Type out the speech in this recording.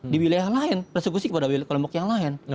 di wilayah lain persekusi kepada kelompok yang lain